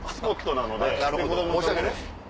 なるほど申し訳ないです。